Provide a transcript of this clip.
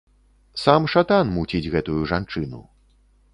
Сам шатан муціць гэтую жанчыну.